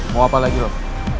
mau apa lagi turn